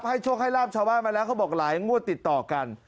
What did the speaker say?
โชคให้ลาบชาวบ้านมาแล้วเขาบอกหลายงวดติดต่อกัน